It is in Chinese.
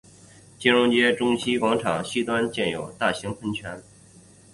金融街中心广场西端建有大型喷泉。